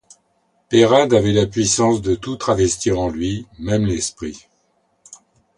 Peyrade avait la puissance de tout travestir en lui, même l’esprit.